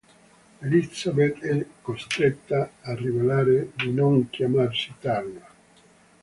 Elizabeth è costretta a rivelare di non chiamarsi Turner.